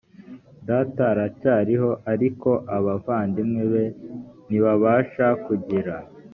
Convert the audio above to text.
data aracyariho ariko abavandimwe be ntibabasha kugira